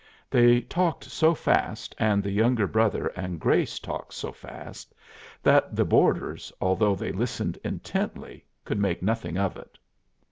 They talked so fast, and the younger brother and Grace talked so fast, that the boarders, although they listened intently, could make nothing of it.